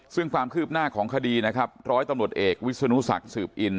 ซึ่งความคืบหน้าของคดีนะครับร้อยตำรวจเอกวิศนุศักดิ์สืบอิน